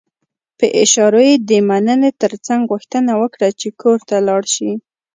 په اشارو يې د مننې ترڅنګ غوښتنه وکړه چې کور ته لاړ شي.